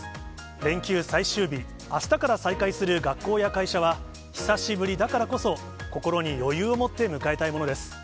連休最終日、あしたから再開する学校や会社は、久しぶりだからこそ、心に余裕を持って迎えたいものです。